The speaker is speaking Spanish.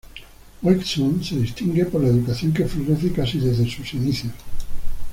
Wesson se distingue por la educación que florece casi desde sus inicios.